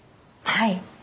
はい。